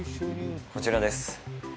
こちらです。